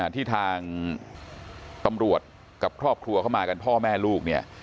ที่ทางตำรวจกับครอบครัวเข้ามากันพ่อแม่ลูกเนี่ย